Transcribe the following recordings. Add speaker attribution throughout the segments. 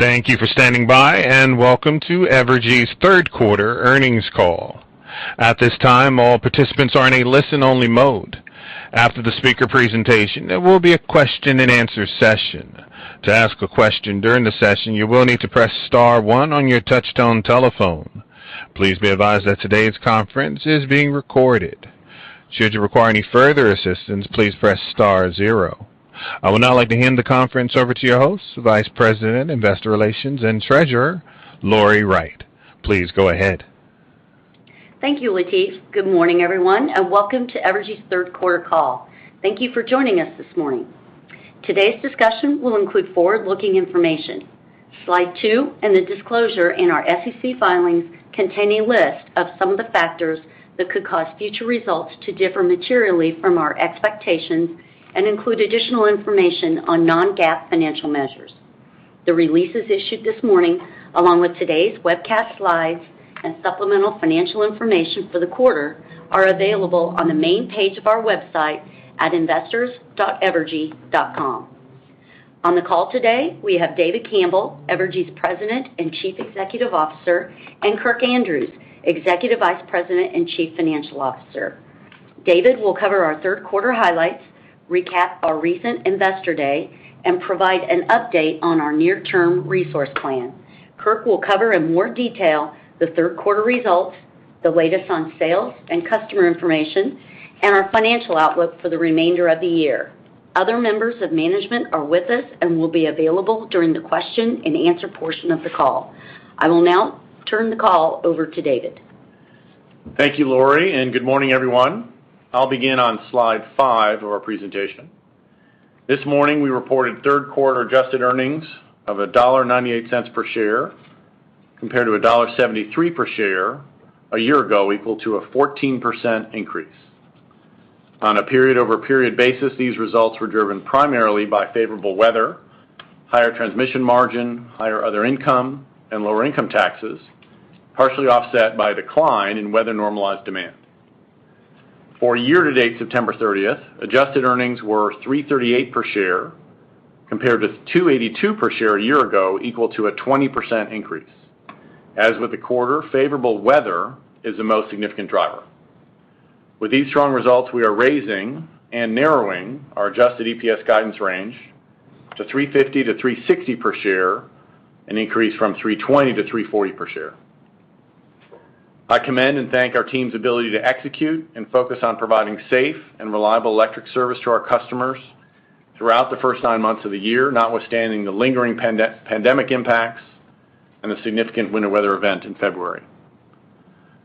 Speaker 1: Thank you for standing by, and welcome to Evergy's Third Quarter Earnings Call. At this time, all participants are in a listen-only mode. After the speaker presentation, there will be a question-and-answer session. To ask a question during the session, you will need to press star one on your touchtone telephone. Please be advised that today's conference is being recorded. Should you require any further assistance, please press star zero. I would now like to hand the conference over to your host, Vice President, Investor Relations, and Treasurer, Lori Wright. Please go ahead.
Speaker 2: Thank you, Latif. Good morning, everyone, and welcome to Evergy's third quarter call. Thank you for joining us this morning. Today's discussion will include forward-looking information. Slide two and the disclosure in our SEC filings contain a list of some of the factors that could cause future results to differ materially from our expectations and include additional information on non-GAAP financial measures. The releases issued this morning, along with today's webcast slides and supplemental financial information for the quarter, are available on the main page of our website at investors.evergy.com. On the call today, we have David Campbell, Evergy's President and Chief Executive Officer, and Kirk Andrews, Executive Vice President and Chief Financial Officer. David will cover our third quarter highlights, recap our recent Investor Day, and provide an update on our near-term resource plan. Kirk will cover in more detail the third quarter results, the latest on sales and customer information, and our financial outlook for the remainder of the year. Other members of management are with us and will be available during the question-and-answer portion of the call. I will now turn the call over to David.
Speaker 3: Thank you, Lori, and good morning, everyone. I'll begin on slide five of our presentation. This morning, we reported third-quarter adjusted earnings of $1.98 per share, compared to $1.73 per share a year ago, equal to a 14% increase. On a period-over-period basis, these results were driven primarily by favorable weather, higher transmission margin, higher other income, and lower income taxes, partially offset by decline in weather-normalized demand. For year-to-date September 30th, adjusted earnings were $3.38 per share compared to $2.82 per share a year ago, equal to a 20% increase. As with the quarter, favorable weather is the most significant driver. With these strong results, we are raising and narrowing our adjusted EPS guidance range to $3.50-$3.60 per share, an increase from $3.20-$3.40 per share. I commend and thank our team's ability to execute and focus on providing safe and reliable electric service to our customers throughout the first nine months of the year, notwithstanding the lingering pandemic impacts and a significant winter weather event in February.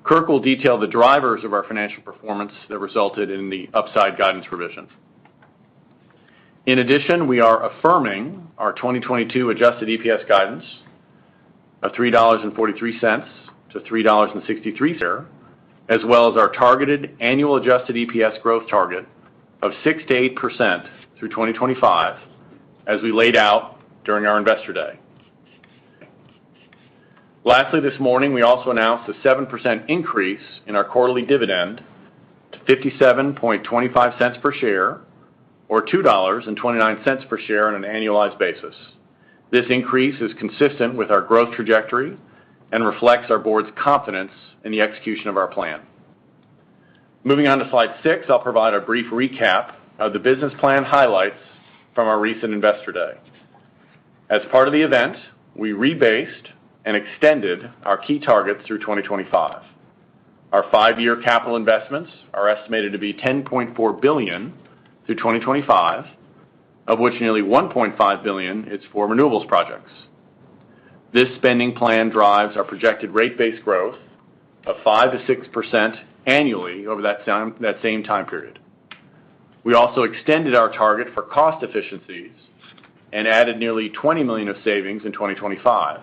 Speaker 3: Kirk will detail the drivers of our financial performance that resulted in the upside guidance revisions. In addition, we are affirming our 2022 adjusted EPS guidance of $3.43-$3.63, as well as our targeted annual adjusted EPS growth target of 6%-8% through 2025, as we laid out during our Investor Day. Lastly, this morning, we also announced a 7% increase in our quarterly dividend to $0.5725 per share or $2.29 per share on an annualized basis. This increase is consistent with our growth trajectory and reflects our board's confidence in the execution of our plan. Moving on to slide six, I'll provide a brief recap of the business plan highlights from our recent Investor Day. As part of the event, we rebased and extended our key targets through 2025. Our five-year capital investments are estimated to be $10.4 billion through 2025, of which nearly $1.5 billion is for renewables projects. This spending plan drives our projected rate-based growth of 5%-6% annually over that same time period. We also extended our target for cost efficiencies and added nearly $20 million of savings in 2025,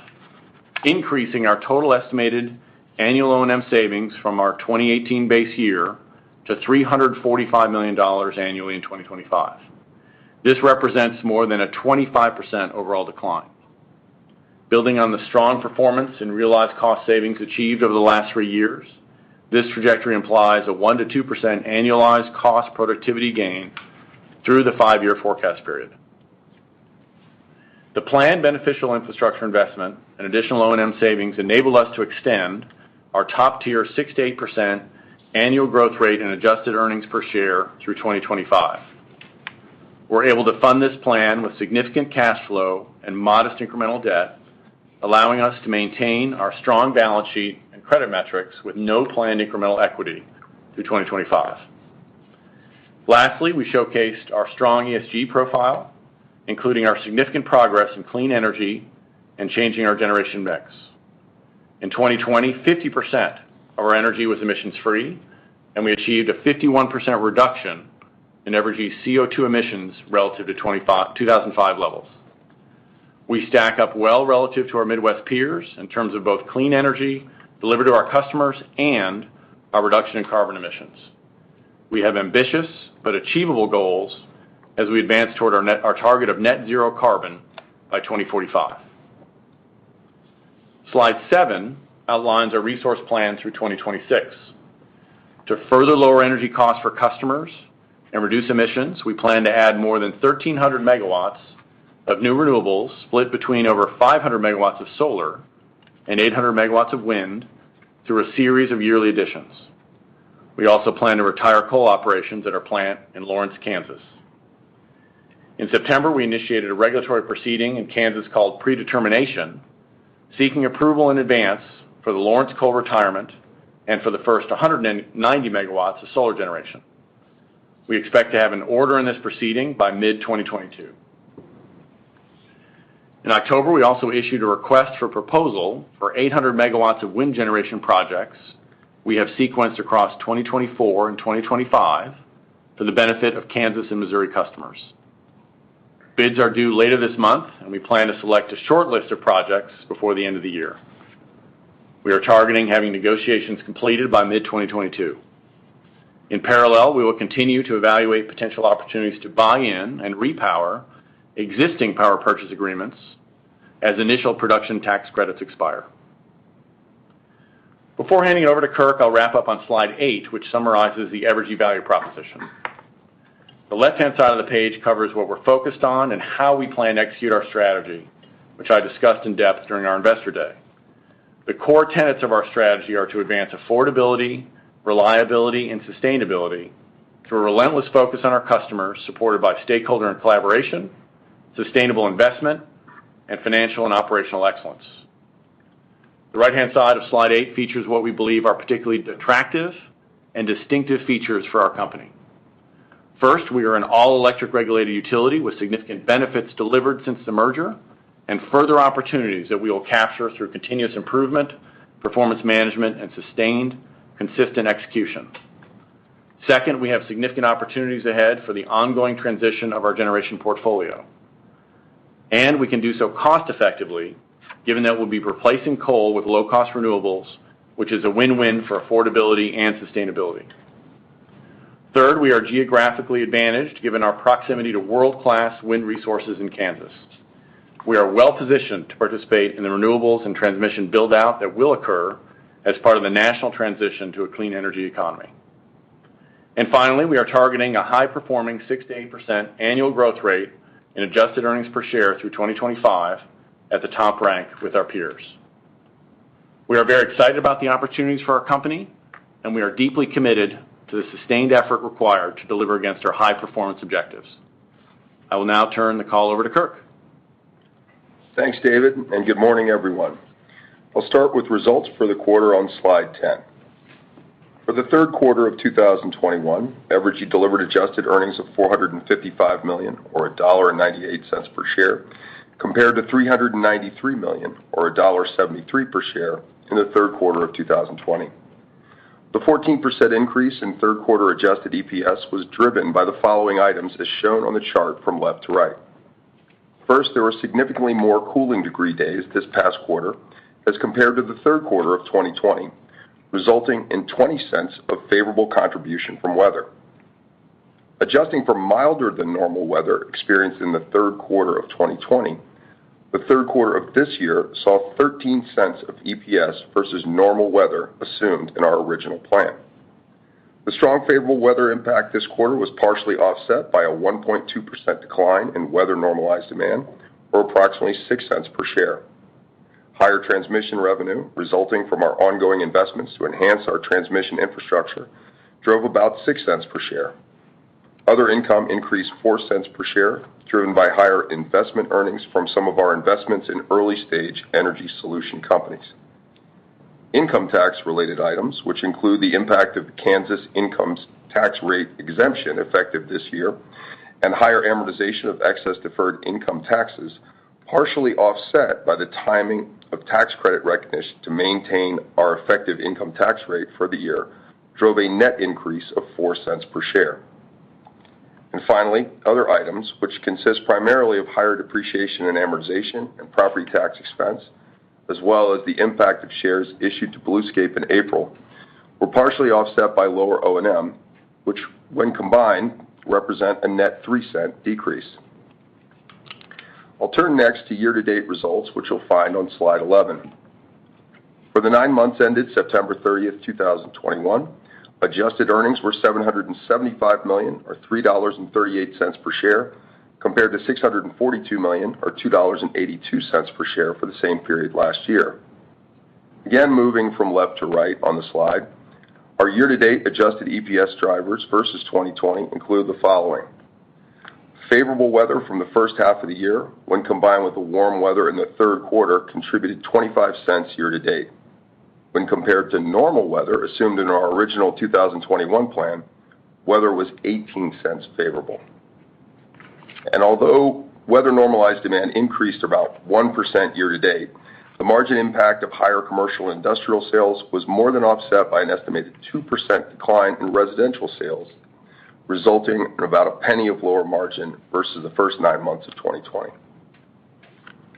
Speaker 3: increasing our total estimated annual O&M savings from our 2018 base year to $345 million annually in 2025. This represents more than a 25% overall decline. Building on the strong performance and realized cost savings achieved over the last three years, this trajectory implies a 1%-2% annualized cost productivity gain through the five-year forecast period. The planned beneficial infrastructure investment and additional O&M savings enable us to extend our top-tier 6%-8% annual growth rate in adjusted earnings per share through 2025. We're able to fund this plan with significant cash flow and modest incremental debt, allowing us to maintain our strong balance sheet and credit metrics with no planned incremental equity through 2025. Lastly, we showcased our strong ESG profile, including our significant progress in clean energy and changing our generation mix. In 2020, 50% of our energy was emissions-free, and we achieved a 51% reduction in Evergy's CO₂ emissions relative to 2005 levels. We stack up well relative to our Midwest peers in terms of both clean energy delivered to our customers and our reduction in carbon emissions. We have ambitious but achievable goals as we advance toward our target of net zero carbon by 2045. Slide seven outlines our resource plan through 2026. To further lower energy costs for customers and reduce emissions, we plan to add more than 1,300 MW of new renewables, split between over 500 MW of solar and 800 MW of wind through a series of yearly additions. We also plan to retire coal operations at our plant in Lawrence, Kansas. In September, we initiated a regulatory proceeding in Kansas called Predetermination, seeking approval in advance for the Lawrence coal retirement and for the first 190 MW of solar generation. We expect to have an order in this proceeding by mid-2022. In October, we also issued a request for proposal for 800 MW of wind generation projects. We have sequenced across 2024 and 2025 for the benefit of Kansas and Missouri customers. Bids are due later this month, and we plan to select a shortlist of projects before the end of the year. We are targeting having negotiations completed by mid-2022. In parallel, we will continue to evaluate potential opportunities to buy in and repower existing power purchase agreements as initial production tax credits expire. Before handing it over to Kirk, I'll wrap up on slide eight, which summarizes the Evergy value proposition. The left-hand side of the page covers what we're focused on and how we plan to execute our strategy, which I discussed in depth during our investor day. The core tenets of our strategy are to advance affordability, reliability, and sustainability through a relentless focus on our customers, supported by stakeholder and collaboration, sustainable investment, and financial and operational excellence. The right-hand side of slide eight features what we believe are particularly attractive and distinctive features for our company. First, we are an all-electric regulated utility with significant benefits delivered since the merger and further opportunities that we will capture through continuous improvement, performance management, and sustained consistent execution. Second, we have significant opportunities ahead for the ongoing transition of our generation portfolio, and we can do so cost-effectively, given that we'll be replacing coal with low-cost renewables, which is a win-win for affordability and sustainability. Third, we are geographically advantaged, given our proximity to world-class wind resources in Kansas. We are well-positioned to participate in the renewables and transmission build-out that will occur as part of the national transition to a clean energy economy. Finally, we are targeting a high-performing 6%-8% annual growth rate in adjusted earnings per share through 2025 at the top rank with our peers. We are very excited about the opportunities for our company, and we are deeply committed to the sustained effort required to deliver against our high-performance objectives. I will now turn the call over to Kirk.
Speaker 4: Thanks, David, and good morning, everyone. I'll start with results for the quarter on slide 10. For the third quarter of 2021, Evergy delivered adjusted earnings of $455 million or $1.98 per share, compared to $393 million or $1.73 per share in the third quarter of 2020. The 14% increase in third quarter adjusted EPS was driven by the following items as shown on the chart from left to right. First, there were significantly more cooling degree days this past quarter as compared to the third quarter of 2020, resulting in $0.20 of favorable contribution from weather. Adjusting for milder than normal weather experienced in the third quarter of 2020, the third quarter of this year saw $0.13 of EPS versus normal weather assumed in our original plan. The strong favorable weather impact this quarter was partially offset by a 1.2% decline in weather-normalized demand, or approximately $0.06 per share. Higher transmission revenue resulting from our ongoing investments to enhance our transmission infrastructure drove about $0.06 per share. Other income increased $0.04 per share, driven by higher investment earnings from some of our investments in early-stage energy solution companies. Income tax-related items, which include the impact of Kansas income tax rate exemption effective this year and higher amortization of excess deferred income taxes, partially offset by the timing of tax credit recognition to maintain our effective income tax rate for the year, drove a net increase of $0.04 per share. Finally, other items, which consist primarily of higher depreciation and amortization and property tax expense, as well as the impact of shares issued to Bluescape in April, were partially offset by lower O&M, which, when combined, represent a net $0.03 decrease. I'll turn next to year-to-date results, which you'll find on slide 11. For the nine months ended September 30, 2021, adjusted earnings were $775 million or $3.38 per share, compared to $642 million or $2.82 per share for the same period last year. Again, moving from left to right on the slide, our year-to-date adjusted EPS drivers versus 2020 include the following. Favorable weather from the first half of the year, when combined with the warm weather in the third quarter, contributed $0.25 year to date. When compared to normal weather assumed in our original 2021 plan, weather was $0.18 favorable. Although weather-normalized demand increased about 1% year to date, the margin impact of higher commercial industrial sales was more than offset by an estimated 2% decline in residential sales, resulting in about $0.01 of lower margin versus the first nine months of 2020.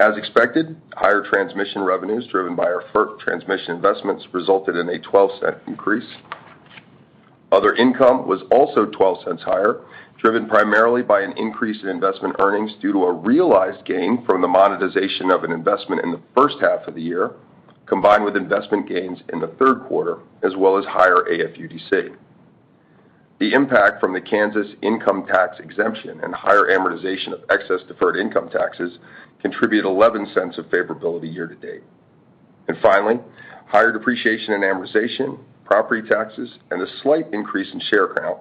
Speaker 4: As expected, higher transmission revenues driven by our FERC transmission investments resulted in a $0.12 increase. Other income was also $0.12 higher, driven primarily by an increase in investment earnings due to a realized gain from the monetization of an investment in the first half of the year, combined with investment gains in the third quarter, as well as higher AFUDC. The impact from the Kansas income tax exemption and higher amortization of excess deferred income taxes contribute $0.11 of favorability year-to-date. Finally, higher depreciation and amortization, property taxes, and a slight increase in share count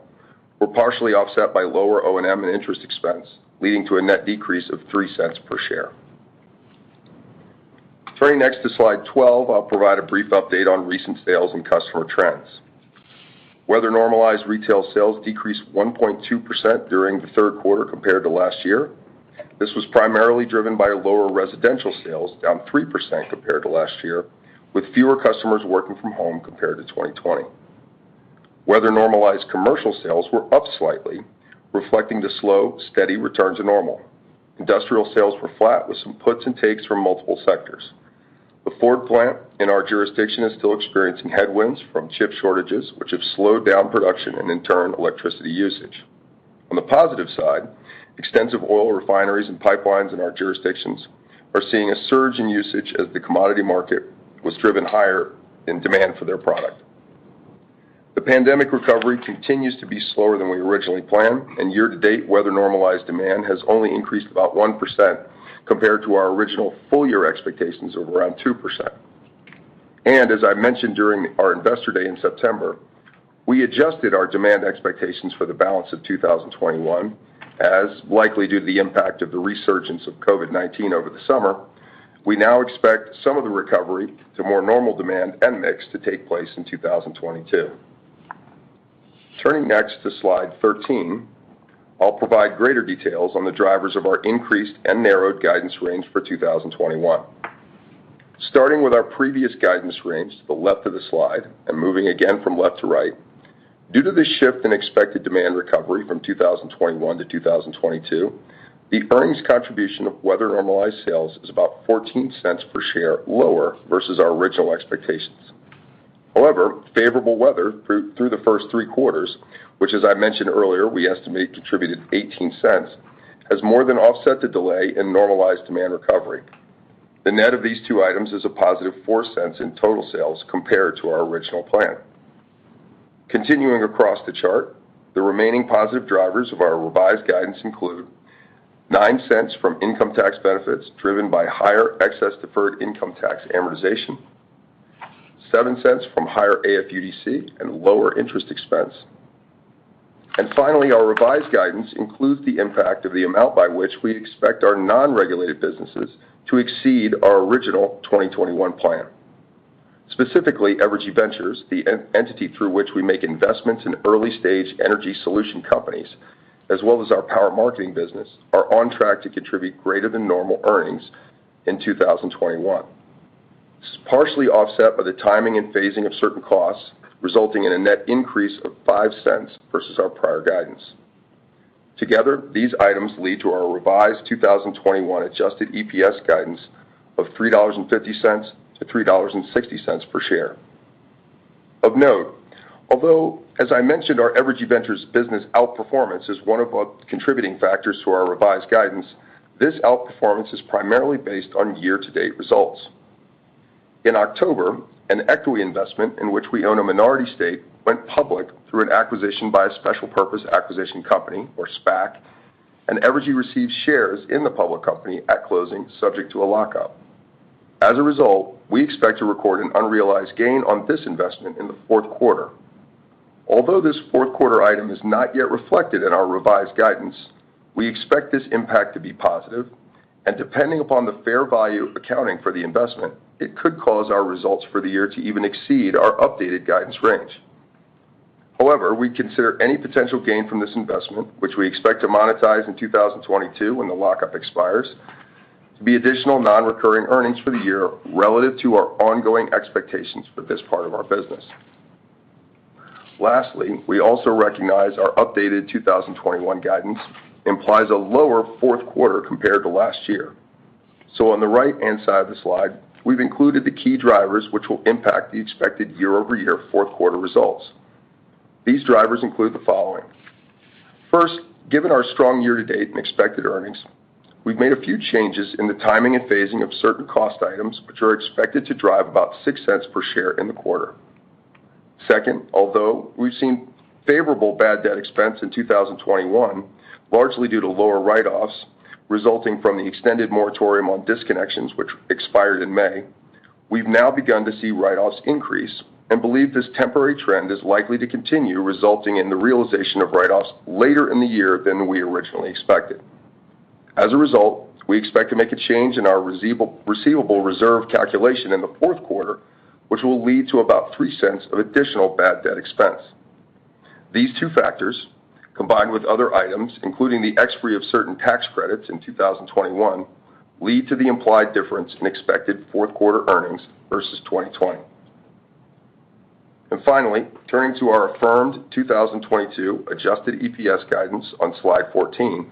Speaker 4: were partially offset by lower O&M and interest expense, leading to a net decrease of $0.03 per share. Turning next to slide 12, I'll provide a brief update on recent sales and customer trends. Weather-normalized retail sales decreased 1.2% during the third quarter compared to last year. This was primarily driven by lower residential sales, down 3% compared to last year, with fewer customers working from home compared to 2020. Weather-normalized commercial sales were up slightly, reflecting the slow, steady return to normal. Industrial sales were flat, with some puts and takes from multiple sectors. The Ford plant in our jurisdiction is still experiencing headwinds from chip shortages, which have slowed down production and in turn, electricity usage. On the positive side, extensive oil refineries and pipelines in our jurisdictions are seeing a surge in usage as the commodity market was driven higher in demand for their product. The pandemic recovery continues to be slower than we originally planned, and year-to-date, weather-normalized demand has only increased about 1% compared to our original full-year expectations of around 2%. As I mentioned during our Investor Day in September, we adjusted our demand expectations for the balance of 2021, as likely due to the impact of the resurgence of COVID-19 over the summer, we now expect some of the recovery to more normal demand and mix to take place in 2022. Turning next to slide 13, I'll provide greater details on the drivers of our increased and narrowed guidance range for 2021. Starting with our previous guidance range to the left of the slide and moving again from left to right, due to the shift in expected demand recovery from 2021 to 2022, the earnings contribution of weather-normalized sales is about $0.14 per share lower versus our original expectations. However, favorable weather through the first three quarters, which as I mentioned earlier, we estimate contributed $0.18, has more than offset the delay in normalized demand recovery. The net of these two items is a positive $0.04 in total sales compared to our original plan. Continuing across the chart, the remaining positive drivers of our revised guidance include $0.09 from income tax benefits driven by higher excess deferred income tax amortization, $0.07 from higher AFUDC and lower interest expense. Finally, our revised guidance includes the impact of the amount by which we expect our non-regulated businesses to exceed our original 2021 plan. Specifically, Evergy Ventures, the entity through which we make investments in early-stage energy solution companies, as well as our power marketing business, are on track to contribute greater than normal earnings in 2021. This is partially offset by the timing and phasing of certain costs, resulting in a net increase of $0.05 versus our prior guidance. Together, these items lead to our revised 2021 adjusted EPS guidance of $3.50-$3.60 per share. Of note, although as I mentioned, our Evergy Ventures business outperformance is one of the contributing factors to our revised guidance, this outperformance is primarily based on year-to-date results. In October, an equity investment in which we own a minority stake went public through an acquisition by a special purpose acquisition company, or SPAC, and Evergy received shares in the public company at closing subject to a lockup. As a result, we expect to record an unrealized gain on this investment in the fourth quarter. Although this fourth quarter item is not yet reflected in our revised guidance, we expect this impact to be positive and depending upon the fair value accounting for the investment, it could cause our results for the year to even exceed our updated guidance range. However, we consider any potential gain from this investment, which we expect to monetize in 2022 when the lockup expires, to be additional non-recurring earnings for the year relative to our ongoing expectations for this part of our business. Lastly, we also recognize our updated 2021 guidance implies a lower fourth quarter compared to last year. On the right-hand side of the slide, we've included the key drivers which will impact the expected year-over-year fourth quarter results. These drivers include the following. First, given our strong year-to-date and expected earnings, we've made a few changes in the timing and phasing of certain cost items, which are expected to drive about $0.06 per share in the quarter. Second, although we've seen favorable bad debt expense in 2021, largely due to lower write-offs resulting from the extended moratorium on disconnections which expired in May, we've now begun to see write-offs increase and believe this temporary trend is likely to continue resulting in the realization of write-offs later in the year than we originally expected. As a result, we expect to make a change in our receivable reserve calculation in the fourth quarter, which will lead to about $0.03 of additional bad debt expense. These two factors, combined with other items, including the expiration of certain tax credits in 2021, lead to the implied difference in expected fourth quarter earnings versus 2020. Finally, turning to our affirmed 2022 adjusted EPS guidance on slide 14.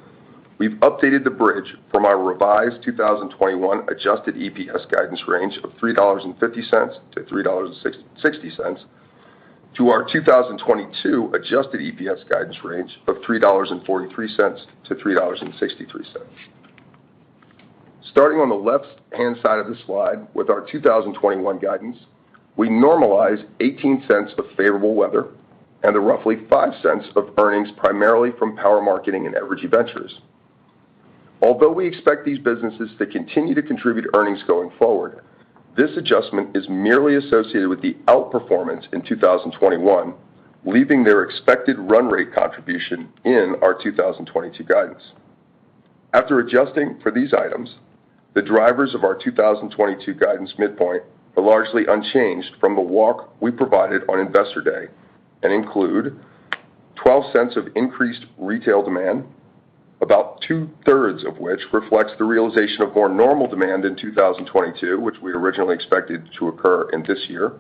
Speaker 4: We've updated the bridge from our revised 2021 adjusted EPS guidance range of $3.50-$3.60 to our 2022 adjusted EPS guidance range of $3.43-$3.63. Starting on the left-hand side of the slide with our 2021 guidance, we normalize $0.18 of favorable weather and the roughly $0.05 of earnings primarily from power marketing and Evergy Ventures. Although we expect these businesses to continue to contribute earnings going forward, this adjustment is merely associated with the outperformance in 2021, leaving their expected run rate contribution in our 2022 guidance. After adjusting for these items, the drivers of our 2022 guidance midpoint are largely unchanged from the walk we provided on Investor Day and include $0.12 of increased retail demand, about 2/3 of which reflects the realization of more normal demand in 2022, which we originally expected to occur in this year.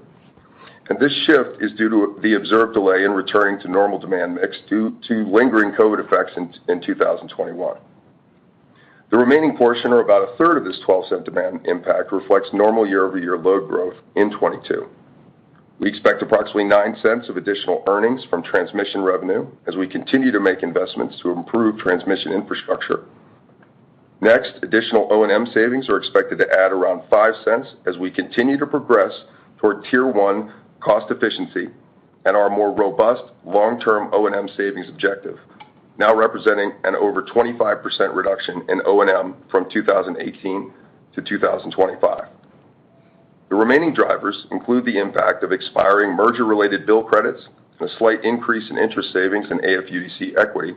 Speaker 4: This shift is due to the observed delay in returning to normal demand mix due to lingering COVID effects in 2021. The remaining portion, or about 1/3 of this $0.12 demand impact, reflects normal year-over-year load growth in 2022. We expect approximately $0.09 of additional earnings from transmission revenue as we continue to make investments to improve transmission infrastructure. Next, additional O&M savings are expected to add around $0.05 as we continue to progress toward tier one cost efficiency and our more robust long-term O&M savings objective, now representing an over 25% reduction in O&M from 2018 to 2025. The remaining drivers include the impact of expiring merger-related bill credits and a slight increase in interest savings in AFUDC equity,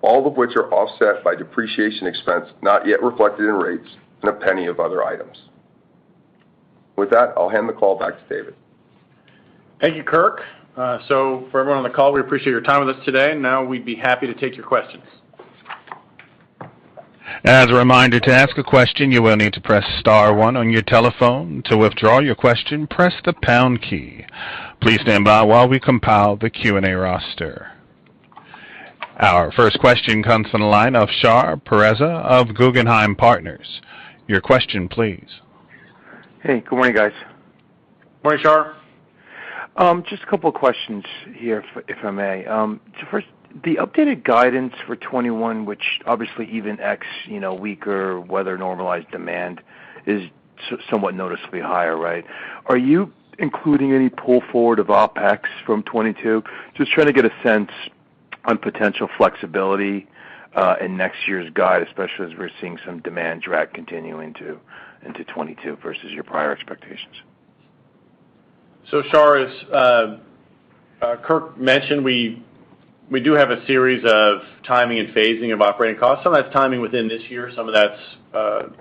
Speaker 4: all of which are offset by depreciation expense not yet reflected in rates and a penny of other items. With that, I'll hand the call back to David.
Speaker 3: Thank you, Kirk. For everyone on the call, we appreciate your time with us today, and now we'd be happy to take your questions.
Speaker 1: As a reminder, to ask a question, you will need to press star one on your telephone. To withdraw your question, press the pound key. Please stand by while we compile the Q&A roster. Our first question comes from the line of Shar Pourreza of Guggenheim Partners. Your question please.
Speaker 5: Hey, good morning, guys.
Speaker 3: Morning, Shar.
Speaker 5: Just a couple of questions here if I may. So first, the updated guidance for 2021, which obviously even ex, you know, weaker weather normalized demand is somewhat noticeably higher, right? Are you including any pull forward of OpEx from 2022? Just trying to get a sense on potential flexibility in next year's guide, especially as we're seeing some demand drag continuing into 2022 versus your prior expectations.
Speaker 3: Shar, as Kirk mentioned, we do have a series of timing and phasing of operating costs. Some of that's timing within this year, some of that's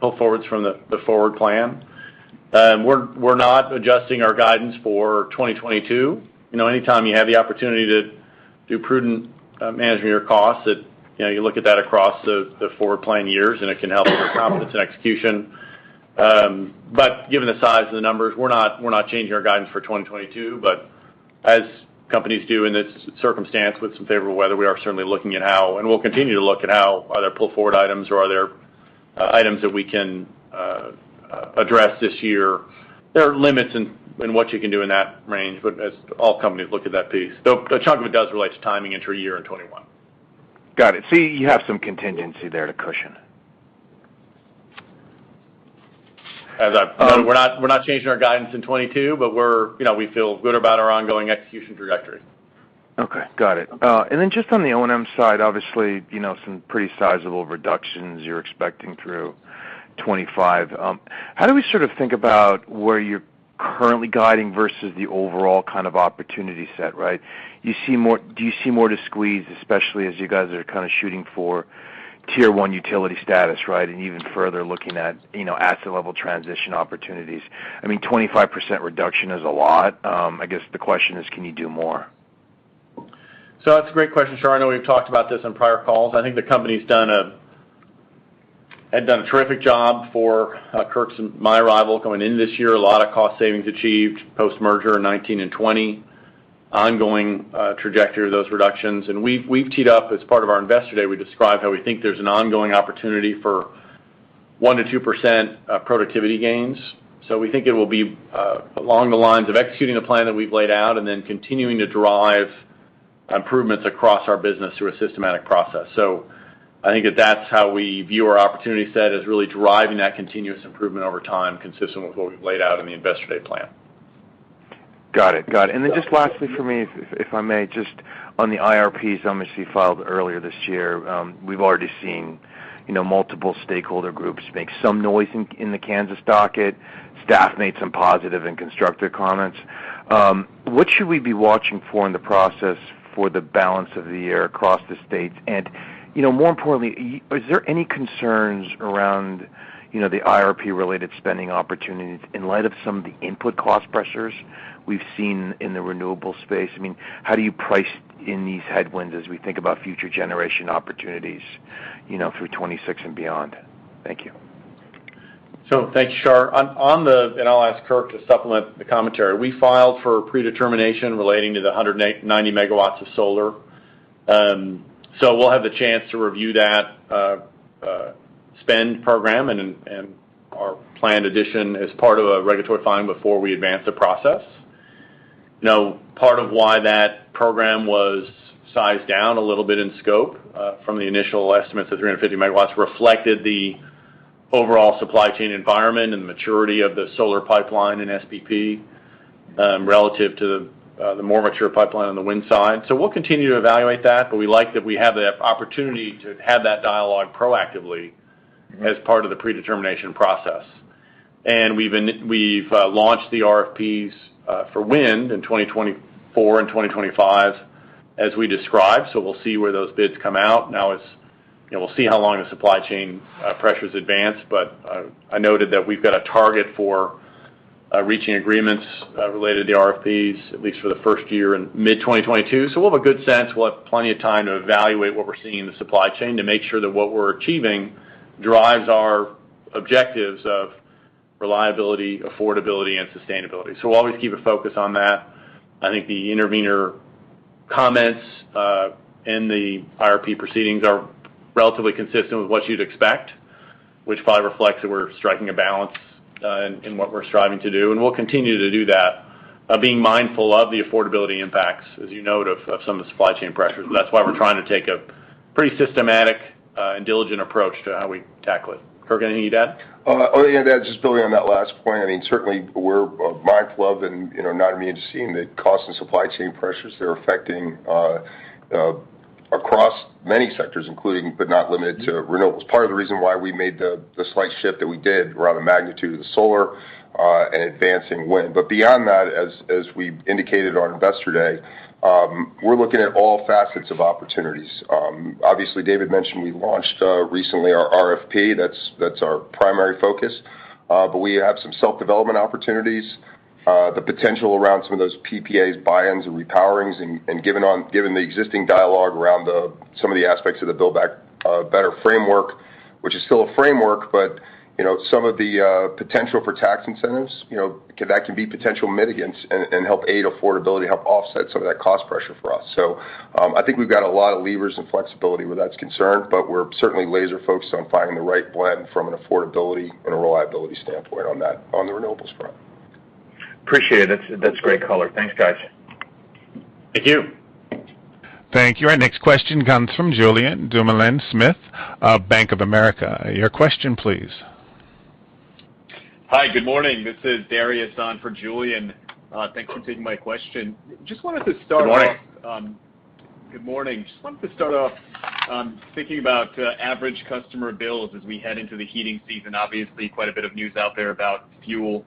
Speaker 3: pull forwards from the forward plan. We're not adjusting our guidance for 2022. You know, anytime you have the opportunity to do prudent management of your costs, you know, you look at that across the forward plan years, and it can help with confidence and execution. Given the size of the numbers, we're not changing our guidance for 2022, but as companies do in this circumstance with some favorable weather, we are certainly looking at how, and we'll continue to look at how are there pull-forward items or are there items that we can address this year. There are limits in what you can do in that range, but as all companies look at that piece. Though a chunk of it does relate to timing into 2021.
Speaker 5: Got it. You have some contingency there to cushion?
Speaker 3: No, we're not changing our guidance in 2022, but, you know, we feel good about our ongoing execution trajectory.
Speaker 5: Okay. Got it. Just on the O&M side, obviously, you know, some pretty sizable reductions you're expecting through 2025. How do we sort of think about where you're currently guiding versus the overall kind of opportunity set, right? Do you see more to squeeze, especially as you guys are kind of shooting for tier one utility status, right? Even further looking at, you know, asset-level transition opportunities. I mean, 25% reduction is a lot. I guess the question is, can you do more?
Speaker 3: That's a great question, Shar. I know we've talked about this on prior calls. I think the company's had done a terrific job for Kirk's and my arrival coming in this year. A lot of cost savings achieved post-merger in 2019 and 2020. Ongoing trajectory of those reductions. We've teed up as part of our Investor Day, we described how we think there's an ongoing opportunity for 1%-2% productivity gains. We think it will be along the lines of executing the plan that we've laid out and then continuing to drive improvements across our business through a systematic process. I think that's how we view our opportunity set is really driving that continuous improvement over time, consistent with what we've laid out in the Investor Day plan.
Speaker 5: Got it. Just lastly for me, if I may, just on the IRPs, some of which you filed earlier this year, we've already seen, you know, multiple stakeholder groups make some noise in the Kansas docket. Staff made some positive and constructive comments. What should we be watching for in the process for the balance of the year across the states? You know, more importantly, is there any concerns around, you know, the IRP-related spending opportunities in light of some of the input cost pressures we've seen in the renewable space? I mean, how do you price in these headwinds as we think about future generation opportunities, you know, through 2026 and beyond? Thank you.
Speaker 3: Thank you, Shar. On the, and I'll ask Kirk to supplement the commentary. We filed for predetermination relating to the 90 MW of solar. We'll have the chance to review that spending program and our planned addition as part of a regulatory filing before we advance the process. Now, part of why that program was sized down a little bit in scope from the initial estimates of 350 MW reflected the overall supply chain environment and the maturity of the solar pipeline in SPP relative to the more mature pipeline on the wind side. We'll continue to evaluate that, but we like that we have the opportunity to have that dialogue proactively.
Speaker 4: Mm-hmm.
Speaker 3: As part of the Predetermination process. We've launched the RFPs for wind in 2024 and 2025 as we described, so we'll see where those bids come out. Now it's, you know, we'll see how long the supply chain pressures advance. I noted that we've got a target for reaching agreements related to the RFPs, at least for the first year in mid-2022. We'll have a good sense, we'll have plenty of time to evaluate what we're seeing in the supply chain to make sure that what we're achieving drives our objectives of reliability, affordability, and sustainability. We'll always keep a focus on that. I think the intervener comments in the IRP proceedings are relatively consistent with what you'd expect, which probably reflects that we're striking a balance in what we're striving to do. We'll continue to do that, being mindful of the affordability impacts, as you note of some of the supply chain pressures. That's why we're trying to take a pretty systematic and diligent approach to how we tackle it. Kirk, anything you'd add?
Speaker 4: Only to add, just building on that last point, I mean, certainly we're mindful of and, you know, not immune to seeing the cost and supply chain pressures that are affecting across many sectors, including but not limited to renewables. Part of the reason why we made the slight shift that we did around the magnitude of the solar and advancing wind. Beyond that, as we indicated on Investor Day, we're looking at all facets of opportunities. Obviously, David mentioned we launched recently our RFP, that's our primary focus. We have some self-development opportunities. The potential around some of those PPAs buy-ins and repowerings, and given the existing dialogue around some of the aspects of the Build Back Better framework, which is still a framework, but you know, some of the potential for tax incentives, you know, that can be potential mitigants and help aid affordability, help offset some of that cost pressure for us. I think we've got a lot of levers and flexibility where that's concerned, but we're certainly laser focused on finding the right blend from an affordability and a reliability standpoint on that, on the renewables front.
Speaker 5: Appreciate it. That's great color. Thanks, guys.
Speaker 4: Thank you.
Speaker 1: Thank you. Our next question comes from Julien Dumoulin-Smith of Bank of America. Your question please.
Speaker 6: Hi, good morning. This is Darius on for Julien. Thanks for taking my question. Just wanted to start off.
Speaker 3: Good morning.
Speaker 6: Good morning. Just wanted to start off, thinking about average customer bills as we head into the heating season. Obviously, quite a bit of news out there about fuel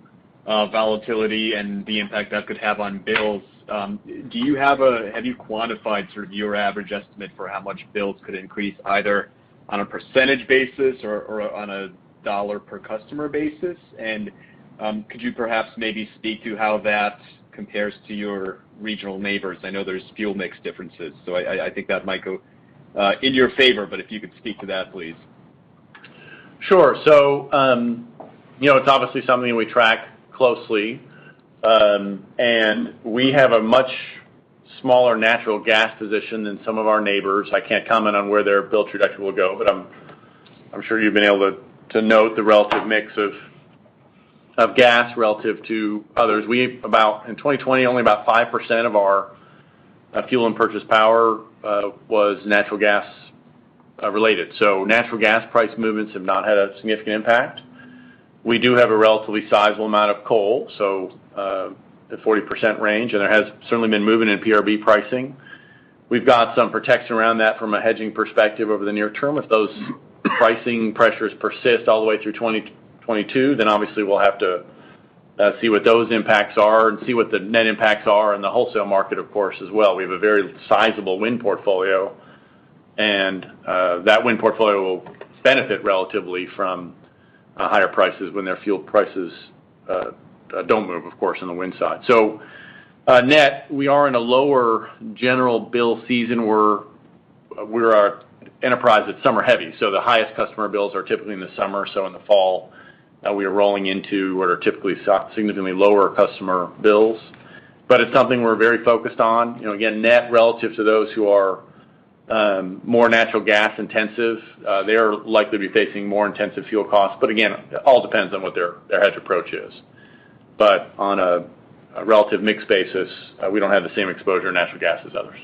Speaker 6: volatility and the impact that could have on bills. Have you quantified sort of your average estimate for how much bills could increase either on a percentage basis or on a dollar per customer basis? Could you perhaps maybe speak to how that compares to your regional neighbors? I know there's fuel mix differences, so I think that might go in your favor, but if you could speak to that, please.
Speaker 3: Sure. You know, it's obviously something we track closely. We have a much smaller natural gas position than some of our neighbors. I can't comment on where their bill trajectory will go, but I'm sure you've been able to note the relative mix of gas relative to others. About in 2020, only about 5% of our fuel and purchased power was natural gas related. Natural gas price movements have not had a significant impact. We do have a relatively sizable amount of coal, the 40% range, and there has certainly been movement in PRB pricing. We've got some protection around that from a hedging perspective over the near term. If those pricing pressures persist all the way through 2022, then obviously we'll have to see what those impacts are and see what the net impacts are in the wholesale market, of course, as well. We have a very sizable wind portfolio, and that wind portfolio will benefit relatively from higher prices when their fuel prices don't move, of course, on the wind side. Net, we are in a lower general bill season. We're a enterprise that's summer heavy, so the highest customer bills are typically in the summer. In the fall, we are rolling into what are typically significantly lower customer bills. But it's something we're very focused on. You know, again, net relative to those who are more natural gas intensive, they are likely to be facing more intensive fuel costs. Again, it all depends on what their hedge approach is. On a relative mix basis, we don't have the same exposure to natural gas as others.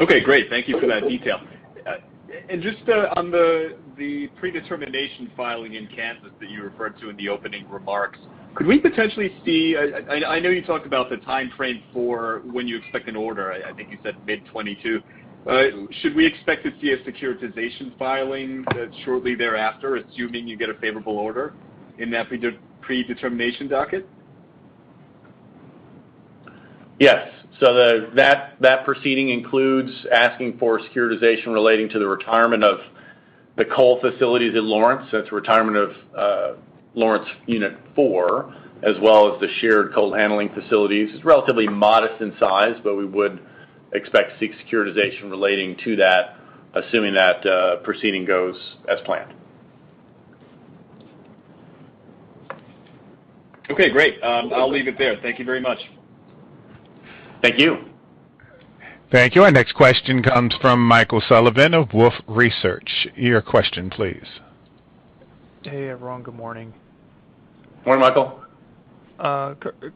Speaker 6: Okay, great. Thank you for that detail. Just on the predetermination filing in Kansas that you referred to in the opening remarks, could we potentially see, I know you talked about the timeframe for when you expect an order. I think you said mid 2022. Should we expect to see a securitization filing shortly thereafter, assuming you get a favorable order in that predetermination docket?
Speaker 3: Yes. That proceeding includes asking for securitization relating to the retirement of the coal facilities in Lawrence. That's retirement of Lawrence Unit Four, as well as the shared coal handling facilities. It's relatively modest in size, but we would- Expect to see securitization relating to that, assuming that proceeding goes as planned.
Speaker 6: Okay, great. I'll leave it there. Thank you very much.
Speaker 3: Thank you.
Speaker 1: Thank you. Our next question comes from Michael Sullivan of Wolfe Research. Your question, please.
Speaker 7: Hey, everyone. Good morning.
Speaker 4: Morning, Michael.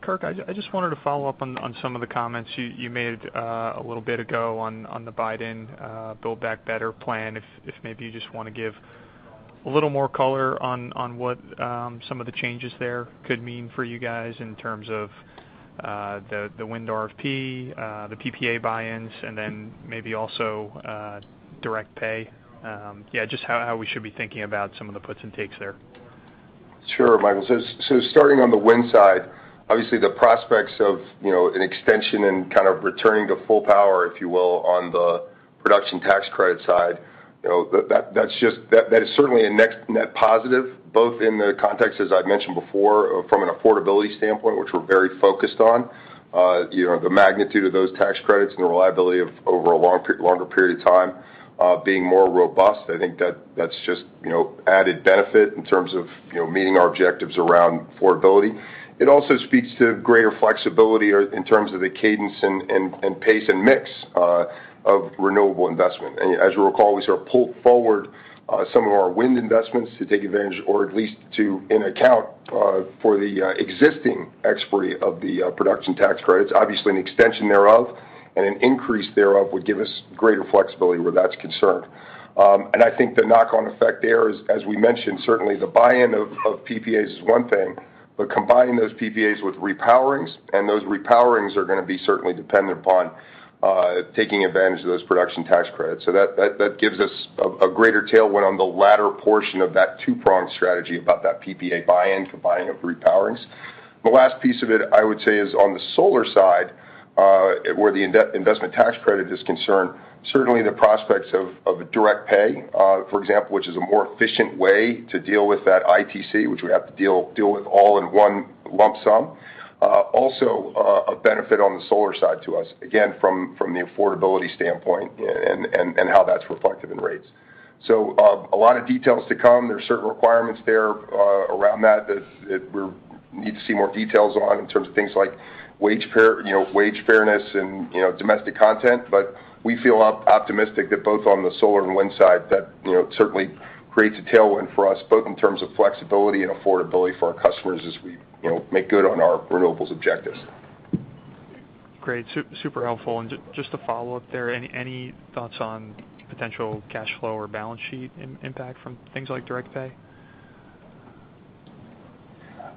Speaker 7: Kirk, I just wanted to follow up on some of the comments you made a little bit ago on the Biden Build Back Better plan. If maybe you just wanna give a little more color on what some of the changes there could mean for you guys in terms of the wind RFP, the PPA buy-ins, and then maybe also direct pay. Yeah, just how we should be thinking about some of the puts and takes there.
Speaker 4: Sure, Michael. Starting on the wind side, obviously the prospects of, you know, an extension and kind of returning to full power, if you will, on the production tax credit side, you know, that's just that is certainly a net positive, both in the context, as I'd mentioned before, from an affordability standpoint, which we're very focused on. You know, the magnitude of those tax credits and the reliability over a longer period of time, being more robust, I think that's just, you know, added benefit in terms of, you know, meeting our objectives around affordability. It also speaks to greater flexibility or in terms of the cadence and pace and mix of renewable investment. As you'll recall, we sort of pulled forward some of our wind investments to take advantage or at least to into account for the existing expiry of the production tax credits. Obviously, an extension thereof and an increase thereof would give us greater flexibility where that's concerned. I think the knock-on effect there is, as we mentioned, certainly the buy-in of PPAs is one thing, but combining those PPAs with repowerings, and those repowerings are gonna be certainly dependent upon taking advantage of those production tax credits. That gives us a greater tailwind on the latter portion of that two-pronged strategy about that PPA buy-in, combining of repowerings. The last piece of it, I would say, is on the solar side, where the investment tax credit is concerned. Certainly, the prospects of a direct pay, for example, which is a more efficient way to deal with that ITC, which we have to deal with all-in-one lump sum. Also, a benefit on the solar side to us, again, from the affordability standpoint and how that's reflected in rates. A lot of details to come. There are certain requirements there, around that. We need to see more details on in terms of things like wage fairness and domestic content. We feel optimistic that both on the solar and wind side, you know, certainly creates a tailwind for us, both in terms of flexibility and affordability for our customers as we, you know, make good on our renewable's objectives.
Speaker 7: Great. Super helpful. Just to follow up there, any thoughts on potential cash flow or balance sheet impact from things like direct pay?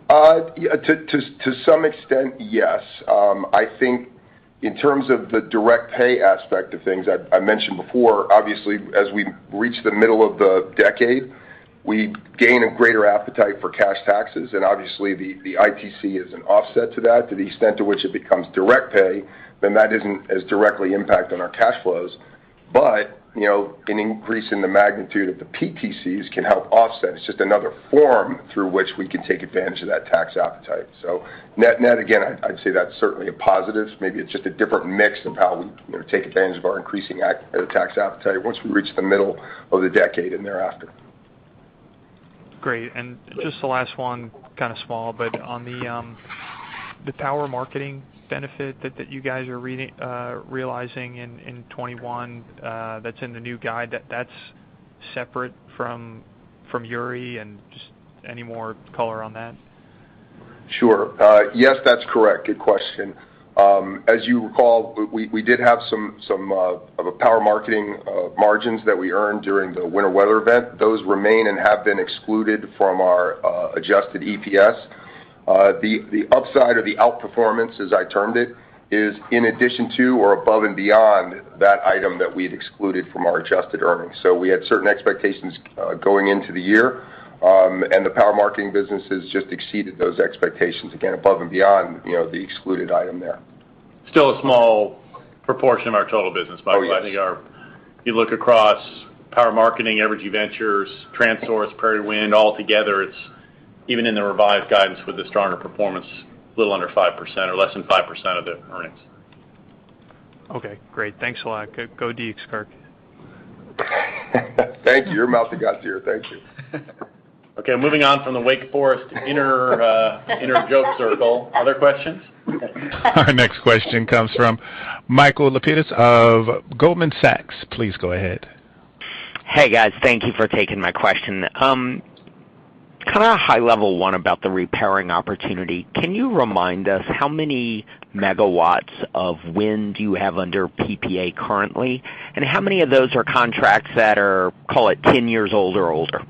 Speaker 4: Yeah, to some extent, yes. I think in terms of the direct pay aspect of things, I mentioned before, obviously, as we reach the middle of the decade, we gain a greater appetite for cash taxes. Obviously, the ITC is an offset to that. To the extent to which it becomes direct pay, then that isn't as directly impact on our cash flows. You know, an increase in the magnitude of the PTCs can help offset. It's just another form through which we can take advantage of that tax appetite. Net, again, I'd say that's certainly a positive. Maybe it's just a different mix of how we, you know, take advantage of our increasing tax appetite once we reach the middle of the decade and thereafter.
Speaker 7: Great. Just the last one, kind of small, but on the power marketing benefit that you guys are realizing in 2021, that's in the new guide, that's separate from Uri, and just any more color on that?
Speaker 4: Sure. Yes, that's correct. Good question. As you recall, we did have some power marketing margins that we earned during the winter weather event. Those remain and have been excluded from our adjusted EPS. The upside or the outperformance, as I termed it, is in addition to or above and beyond that item that we've excluded from our adjusted earnings. We had certain expectations going into the year, and the power marketing business has just exceeded those expectations, again, above and beyond, you know, the excluded item there.
Speaker 3: Still a small proportion of our total business, Michael.
Speaker 4: Oh, yes.
Speaker 3: I think you look across power marketing, energy ventures, Transource, Prairie Wind all together, it's even in the revised guidance with the stronger performance, a little under 5% or less than 5% of the earnings.
Speaker 7: Okay, great. Thanks a lot. Go, go Duke's, Kirk.
Speaker 4: Thank you. You're muted. Good day. Thank you.
Speaker 3: Okay, moving on from the whatever inner joke circle. Other questions?
Speaker 1: Our next question comes from Michael Lapides of Goldman Sachs. Please go ahead.
Speaker 8: Hey, guys. Thank you for taking my question. Kind of a high-level one about the repowering opportunity. Can you remind us how many megawatts of wind you have under PPA currently, and how many of those are contracts that are, call it, 10 years old or older?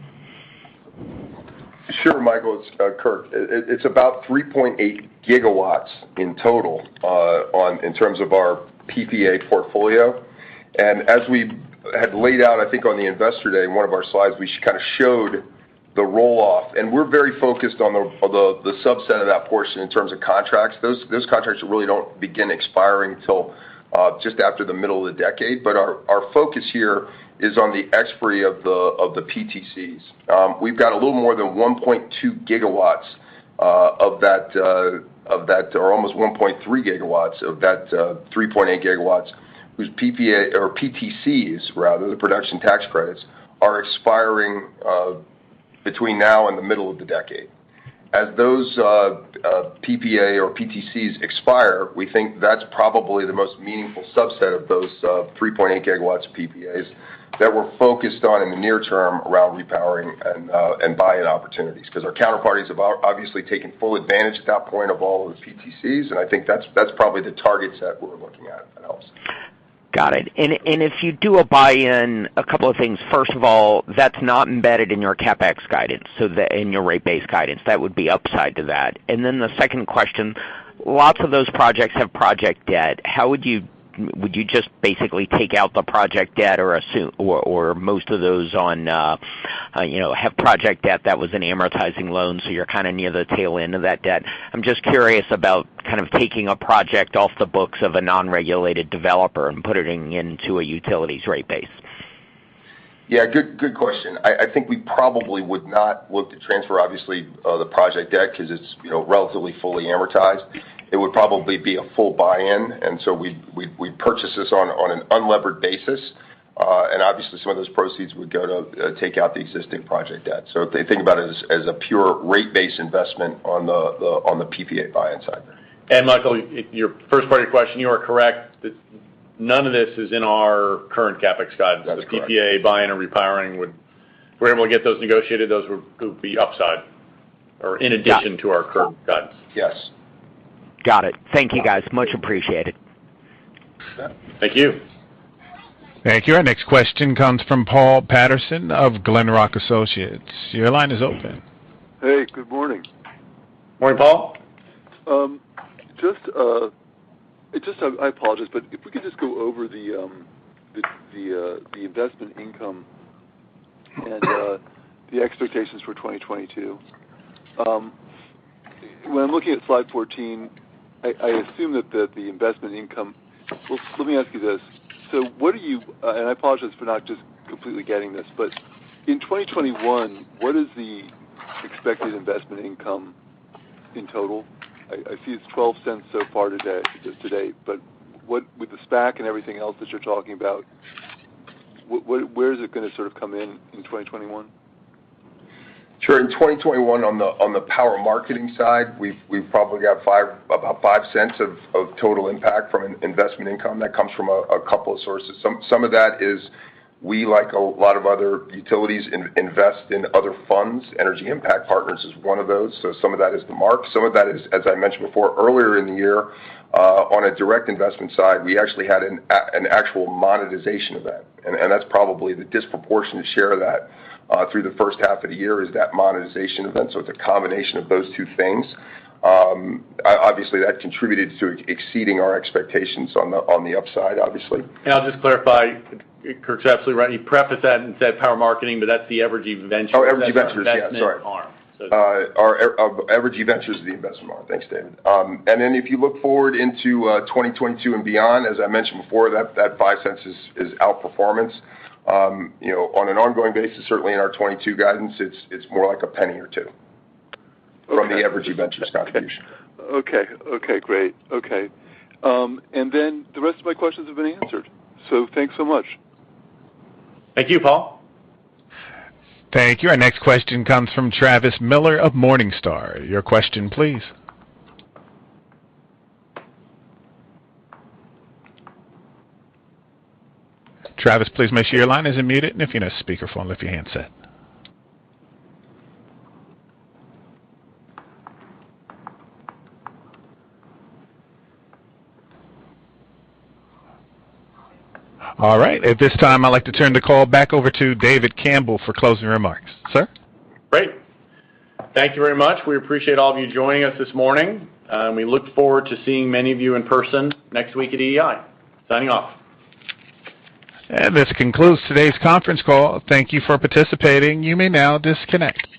Speaker 4: Sure, Michael. It's Kirk. It's about 3.8 GW in total, in terms of our PPA portfolio. As we had laid out, I think on the Investor Day, in one of our slides, we kinda showed the roll-off, and we're very focused on the subset of that portion in terms of contracts. Those contracts really don't begin expiring till just after the middle of the decade. Our focus here is on the expiry of the PTCs. We've got a little more than 1.2 GW of that or almost 1.3 GW of that 3.8 GW whose PPA or PTCs rather, the production tax credits are expiring between now and the middle of the decade. As those PPA or PTCs expire, we think that's probably the most meaningful subset of those 3.8 GW PPAs that we're focused on in the near term around repowering and buy-in opportunities because our counterparties have obviously taken full advantage at that point of all of the PTCs, and I think that's probably the target set we're looking at, if that helps.
Speaker 8: Got it. If you do a buy-in, a couple of things. First of all, that's not embedded in your CapEx guidance, so in your rate base guidance. That would be upside to that. Then the second question, lots of those projects have project debt. How would you? Would you just basically take out the project debt or assume or most of those have project debt that was an amortizing loan, so you're kind of near the tail end of that debt? I'm just curious about kind of taking a project off the books of a non-regulated developer and putting it into a utilities rate base.
Speaker 4: Yeah, good question. I think we probably would not look to transfer obviously the project debt because it's, you know, relatively fully amortized. It would probably be a full buy in. We'd purchase this on an unlevered basis. Obviously, some of those proceeds would go to take out the existing project debt. If they think about it as a pure rate base investment on the PPA buy-in side.
Speaker 3: Michael, your first part of your question, you are correct. None of this is in our current CapEx guidance.
Speaker 4: That is correct.
Speaker 3: The PPA buy-in or repowering would, if we're able to get those negotiated, could be upside or in addition to our current guidance.
Speaker 4: Yes.
Speaker 8: Got it. Thank you, guys. Much appreciated.
Speaker 4: Yeah.
Speaker 3: Thank you.
Speaker 1: Thank you. Our next question comes from Paul Patterson of Glenrock Associates. Your line is open.
Speaker 9: Hey, good morning.
Speaker 3: Morning, Paul.
Speaker 9: I apologize, but if we could just go over the investment income and the expectations for 2022. When I'm looking at slide 14, I assume that the investment income. Well, let me ask you this. I apologize for not just completely getting this, but in 2021, what is the expected investment income in total? I see it's $0.12 so far today, just today. But with the stack and everything else that you're talking about, where is it going to sort of come in in 2021?
Speaker 4: Sure. In 2021 on the power marketing side, we've probably got about $0.05 of total impact from an investment income that comes from a couple of sources. Some of that is we, like a lot of other utilities, invest in other funds. Energy Impact Partners is one of those. Some of that is the mark. Some of that is, as I mentioned before, earlier in the year, on a direct investment side, we actually had an actual monetization event. That's probably the disproportionate share of that through the first half of the year is that monetization event. It's a combination of those two things. Obviously, that contributed to exceeding our expectations on the upside, obviously.
Speaker 3: I'll just clarify, Kirk's absolutely right. He prefaced that and said power marketing, but that's the Evergy Ventures-
Speaker 4: Oh, Evergy Ventures. Yeah, sorry.
Speaker 3: investment arm.
Speaker 4: Our Evergy Ventures is the investment arm. Thanks, David. If you look forward into 2022 and beyond, as I mentioned before, that $0.05 is outperformance. You know, on an ongoing basis, certainly in our 2022 guidance, it's more like $0.01 or $0.02 from the Evergy Ventures contribution.
Speaker 9: Okay, great. The rest of my questions have been answered. Thanks so much.
Speaker 3: Thank you, Paul.
Speaker 1: Thank you. Our next question comes from Travis Miller of Morningstar. Your question, please. Travis, please make sure your line is unmuted, and if you're in a speaker phone, lift your handset. All right. At this time, I'd like to turn the call back over to David Campbell for closing remarks. Sir?
Speaker 3: Great. Thank you very much. We appreciate all of you joining us this morning. We look forward to seeing many of you in person next week at EEI. Signing off.
Speaker 1: This concludes today's conference call. Thank you for participating. You may now disconnect.